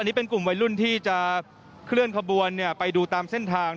อันนี้เป็นกลุ่มวัยรุ่นที่จะเคลื่อนขบวนไปดูตามเส้นทาง